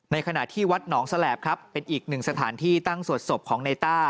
ในขณะที่วัดหนองแสลปครับอีกหนึ่งสถานที่ตั้งส่วนสวดสบของไนต้า